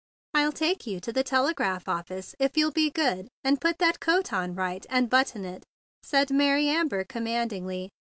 "I'll take you to the telegraph office if you'll be good and put that coat on right, and button it," said Mary Amber commandingly.